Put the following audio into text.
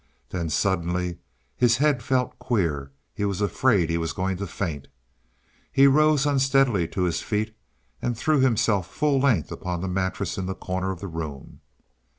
Then suddenly his head felt queer; he was afraid he was going to faint. He rose unsteadily to his feet, and threw himself full length upon the mattress in the corner of the room.